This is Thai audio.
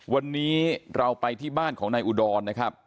วันนี้เราไปที่บ้านของนายอุดรนะครับ